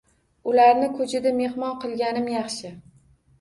Ularni koʻchada mehmon qilganim yaxshi.